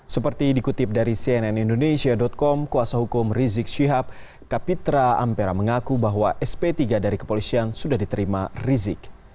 seperti dikutip dari cnn indonesia com kuasa hukum rizik syihab kapitra ampera mengaku bahwa sp tiga dari kepolisian sudah diterima rizik